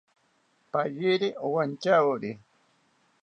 Payiro owantyawori